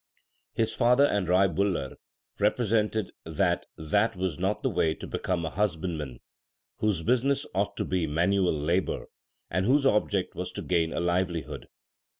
1 His father and Rai Bular represented that that was not the way to become a husbandman, whose business ought to be manual labour, and whose object was to gain a livelihood.